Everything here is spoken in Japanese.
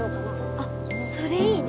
あっそれいいね。